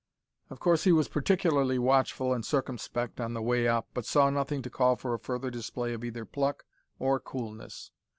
Of course he was particularly watchful and circumspect on the way up, but saw nothing to call for a further display of either pluck or coolness.